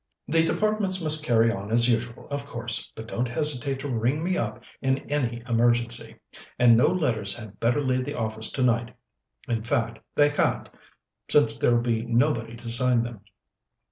"The departments must carry on as usual, of course, but don't hesitate to ring me up in any emergency. And no letters had better leave the office tonight in fact, they can't, since there'll be nobody to sign them.